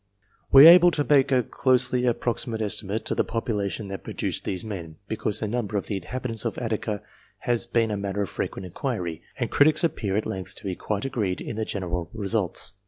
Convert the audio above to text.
We are able to make a closely approximate estimate of the population that produced these men, because the num ber of the inhabitants of Attica has been a matter of frequent inquiry, and critics appear at length to be quite agreed in the general results.